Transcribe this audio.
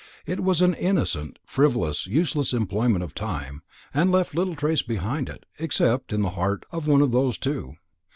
It was an innocent, frivolous, useless employment of time, and left little trace behind it, except in the heart of one of those two.